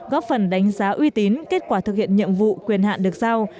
góp phần đánh giá uy tín kết quả thực hiện nhiệm vụ quyền hạn được giao